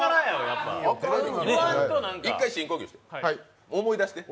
一回深呼吸して思い出して。